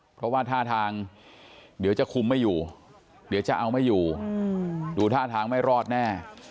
เพราะว่าท่าทางเดี๋ยวจะคุมไม่อยู่เดี๋ยวจะเอาไม่อยู่ดูท่าทางไม่รอดแน่